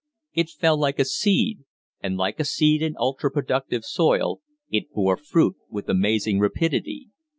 It fell like a seed; and like a seed in ultra productive soil, it bore fruit with amazing rapidity.